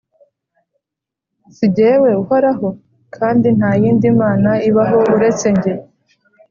si jyewe uhoraho? kandi nta yindi mana ibaho uretse jye.